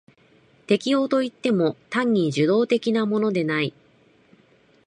適応といっても単に受動的なものでない。